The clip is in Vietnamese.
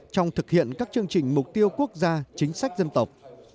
trong thực hiện các chương trình mục tiêu quốc gia chính sách dân tộc